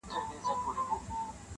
• پېښه د تماشې بڼه اخلي او درد پټيږي,